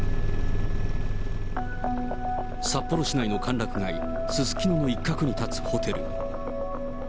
札幌市内の歓楽街、すすきのの一角に建つホテル。